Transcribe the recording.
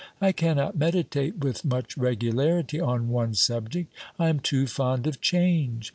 I cannot meditate with much regularity on one subject; I am too fond of change.